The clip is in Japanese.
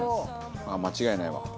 間違いないわ。